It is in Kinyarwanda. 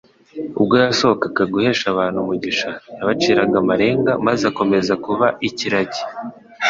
Ubwo yasohokaga guhesha abantu umugisha, ''yabaciraga amarenga, maze akomeza kuba ikiragi.